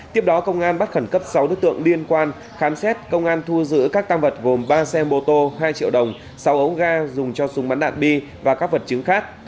tiếp đó công an bắt khẩn cấp sáu đối tượng liên quan khám xét công an thu giữ các tăng vật gồm ba xe mô tô hai triệu đồng sáu ống ga dùng cho súng bắn đạn bi và các vật chứng khác